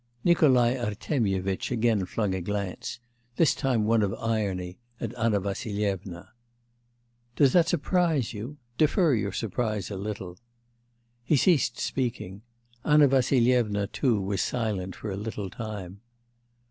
Nikolai Artemyevitch again flung a glance this time one of irony at Anna Vassilyevna. 'Does that surprise you? Defer your surprise a little.' He ceased speaking. Anna Vassilyevna too was silent for a little time.